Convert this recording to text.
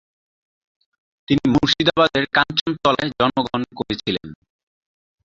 তিনি মুর্শিদাবাদের কাঞ্চনতলায় জন্মগ্রহণ করেছিলেন।